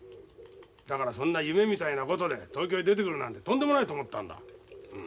だからそんな夢みたいなことで東京へ出てくるなんてとんでもないと思ったんだ。